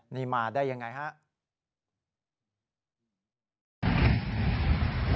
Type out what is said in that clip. นี่มาได้ยังไงฮะ